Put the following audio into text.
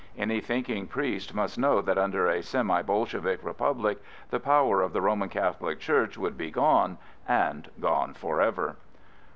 Any thinking priest must know that under a semi Bolshevik republic the power of the Roman Catholic Church would be gone, and gone for ever.